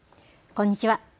こんにちは。